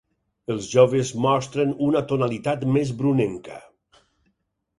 Els joves mostren una tonalitat més brunenca.